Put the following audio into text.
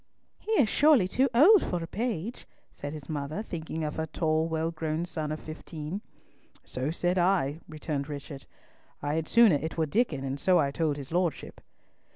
"He is surely too old for a page!" said his mother, thinking of her tall well grown son of fifteen. "So said I," returned Richard. "I had sooner it were Diccon, and so I told his lordship."